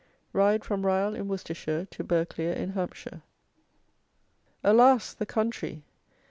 RIDE FROM RYALL, IN WORCESTERSHIRE, TO BURGHCLERE, IN HAMPSHIRE. "Alas, the country!